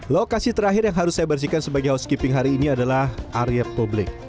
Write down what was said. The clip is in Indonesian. lokasi terakhir yang harus saya bersihkan sebagai housekeeping hari ini adalah area publik